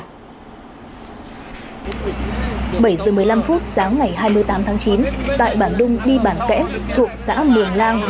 bảy giờ một mươi năm phút sáng ngày hai mươi tám tháng chín tại bản đung đi bản kẽm thuộc xã mường lang